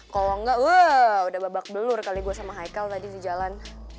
kalo enggak udah babak belur kali gue sama haikal tadi di jalan